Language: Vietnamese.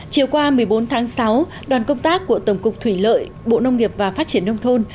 chiều qua một mươi bốn tháng sáu đoàn công tác của tổng cục thủy lợi bộ nông nghiệp và phát triển nông thôn